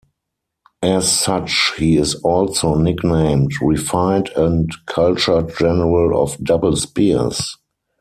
As such, he is also nicknamed "Refined and Cultured General of Double Spears".